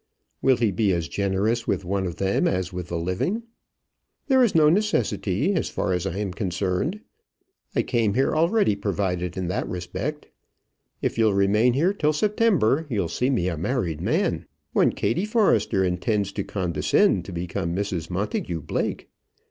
"Will he be as generous with one of them as with the living?" "There is no necessity, as far as I am concerned. I came here already provided in that respect. If you'll remain here till September, you'll see me a married man. One Kattie Forrester intends to condescend to become Mrs Montagu Blake.